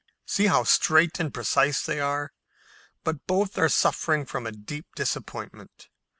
See how straight and precise they are. But both are suffering from a deep disappointment.